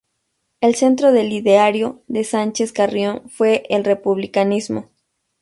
El centro del ideario de Sánchez Carrión fue el republicanismo.